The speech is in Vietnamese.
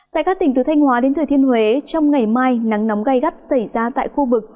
tại các tỉnh từ thanh hóa đến thừa thiên huế trong ngày mai nắng nóng gai gắt xảy ra tại khu vực